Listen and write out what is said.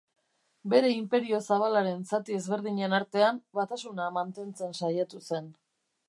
Bere inperio zabalaren zati ezberdinen artean batasuna mantentzen saiatu zen.